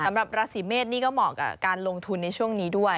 สำหรับราศีเมษนี่ก็เหมาะกับการลงทุนในช่วงนี้ด้วย